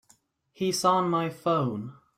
He's on my phone.